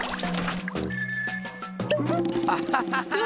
アハハハー！